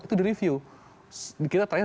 itu direview kita terakhir